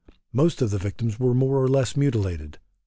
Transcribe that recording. Most of the victims were more or less mutilated.